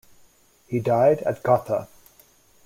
He died at Gotha.